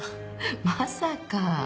まさか。